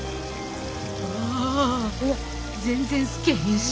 あああ全然透けへんし。